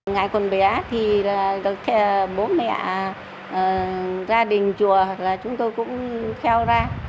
ngày quần bé thì bố mẹ gia đình chùa chúng tôi cũng kheo ra